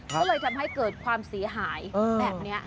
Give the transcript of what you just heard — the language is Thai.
ก็เลยทำให้เกิดความเสียหายแบบนี้